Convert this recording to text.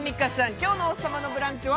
今日の「王様のブランチ」は？